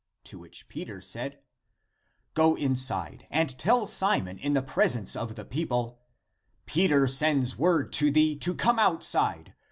" To which Peter said, " Go inside and tell Simon in the presence of the people, Peter sends word to thee to come outside.